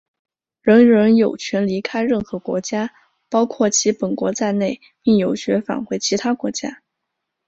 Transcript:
人人有权离开任何国家,包括其本国在内,并有权返回他的国家。